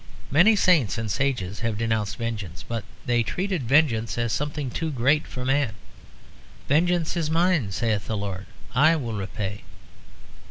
Many saints and sages have denounced vengeance. But they treated vengeance as something too great for man. "Vengeance is Mine, saith the Lord; I will repay."